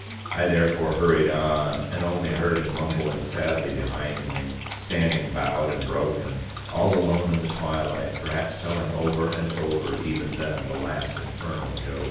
I therefore hurried on, and only heard him mumbling sadly behind me, standing bowed and broken, all alone in the twilight, perhaps telling over and over even then the last infernal joke.